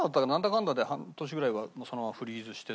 かんだで半年ぐらいはそのままフリーズしてて。